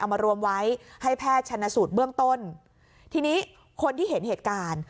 มารวมไว้ให้แพทย์ชนสูตรเบื้องต้นทีนี้คนที่เห็นเหตุการณ์